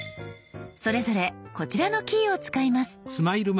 それぞれこちらのキーを使います。